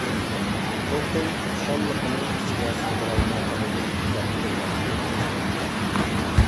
چوقۇم خۇشاللىقىنى ئىچىگە سىغدۇرالماي قالىدۇ دەپ ئويلىغان ئىدىم.